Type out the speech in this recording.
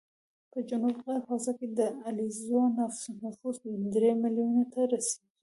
په جنوب غرب حوزه کې د علیزو نفوس درې ملیونو ته رسېږي